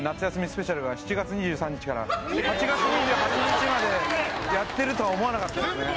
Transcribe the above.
スペシャルが７月２３日から８月２８日までやってるとは思わなかったですね